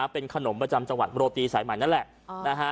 เป็นขนมประจำจังหวัดโรตีสายใหม่นั่นแหละ